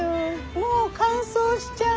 もう乾燥しちゃう！」